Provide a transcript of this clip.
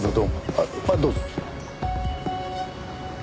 あっどうぞ。